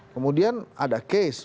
kemudian ada case